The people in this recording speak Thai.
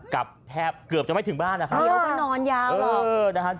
กลับแพบจะไม่ถึงบ้านนะฮะนอนยาวหรอก